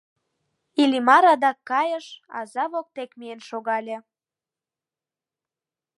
Иллимар адак кайыш, аза воктек миен шогале.